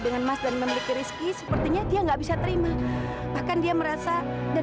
dengan mas dan mendiri spent ini dia nggak bisa terima bahkan dia merasa dan